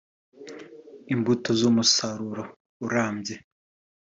imbuto z’umusaruro urambye”